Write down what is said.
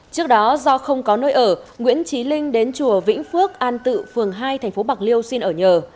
trước đó do không có nơi ở nguyễn trí linh đến chùa vĩnh phước an tự phường hai tp bạc liêu xin ở nhờ